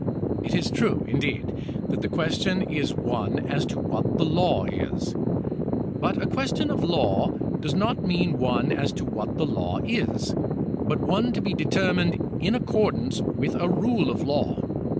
It is true, indeed, that the question is one as to what the law is, but a question of law does not mean one as to what the law is, but one to be determined in accordance with a rule of law.